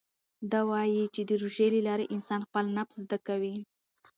ده وايي چې د روژې له لارې انسان خپل نفس زده کوي.